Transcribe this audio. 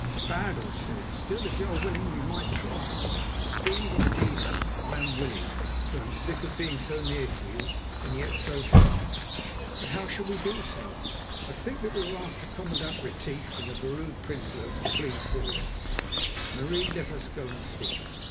"That's bad," I said. "Still, if you are willing, we might try." "Indeed and indeed, Allan, I am willing, who am sick of being so near to you and yet so far. But how shall we do so?" "I think that we will ask the Commandant Retief and the Vrouw Prinsloo to plead for us, Marie. Let us go to seek them."